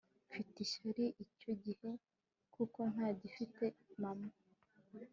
mfite ishyari icyo gihe, kuko ntagifite mama